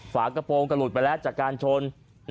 ฝากระโปรงกระหลุดไปแล้วจากการชน